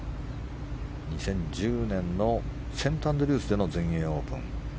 ２０１０年のセントアンドリュースでの全英オープン。